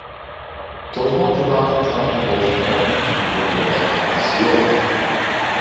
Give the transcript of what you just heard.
توزنىڭ جۇلالىق قانىتى بولسىمۇ، بۇلبۇلدەك ناۋاسى يوق.